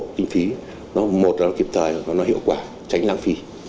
điểm phí nó một là nó kịp tài nó hiệu quả tránh lãng phí